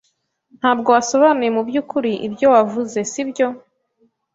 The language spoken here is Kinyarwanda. Ntabwo wasobanuye mubyukuri ibyo wavuze, sibyo?